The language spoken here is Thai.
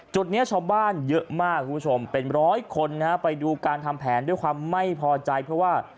จุดนี้ชาวบ้านเยอะมากคุณผู้ชมเป็นร้อยคนนะฮะไปดูการทำแผนด้วยความไม่พอใจเพราะว่า